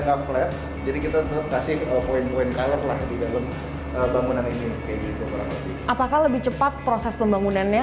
tidak flat jadi kita kasih poin poin color lah di dalam bangunan ini apakah lebih cepat proses pembangunannya